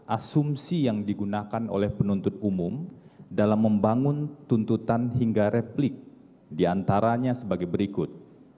asumsi yang digunakan oleh penuntut umum dalam membangun tuntutan hingga replik diantaranya sebagai berikut